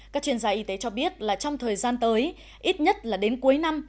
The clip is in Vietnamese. các chuyên gia y tế cho biết là trong thời gian tới ít nhất là đến cuối năm